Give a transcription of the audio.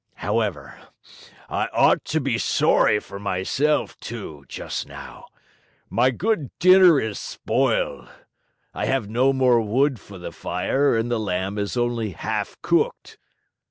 However, I ought to be sorry for myself, too, just now. My good dinner is spoiled. I have no more wood for the fire, and the lamb is only half cooked.